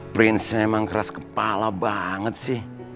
prince memang keras kepala banget sih